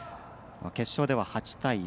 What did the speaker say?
決勝では８対１。